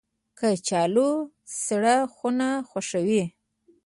کچالو سړه خونه خوښوي